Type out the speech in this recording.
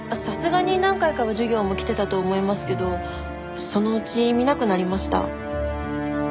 さすがに何回かは授業も来てたと思いますけどそのうち見なくなりました。